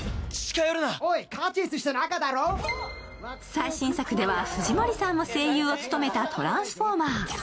最新作では藤森さんも声優を務めた「トランスフォーマー」。